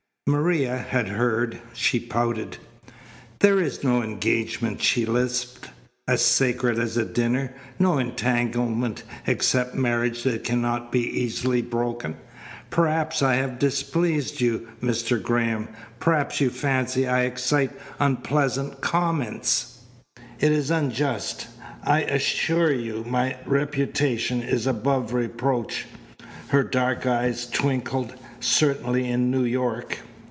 Maria had heard. She pouted. "There is no engagement," she lisped, "as sacred as a dinner, no entanglement except marriage that cannot be easily broken. Perhaps I have displeased you, Mr. Graham. Perhaps you fancy I excite unpleasant comment. It is unjust. I assure you my reputation is above reproach" her dark eyes twinkled "certainly in New York."